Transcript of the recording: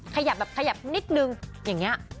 ขยับแบบขยับนิดนึงอย่างนี้